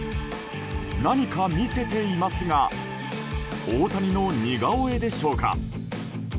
何か見せていますが大谷の似顔絵でしょうか。